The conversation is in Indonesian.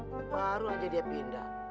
baru aja dia pindah